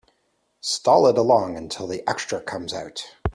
Stall it along until the extra comes out.